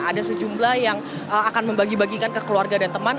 ada sejumlah yang akan membagi bagikan ke keluarga dan teman